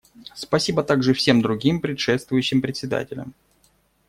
Спасибо также всем другим предшествующим председателям.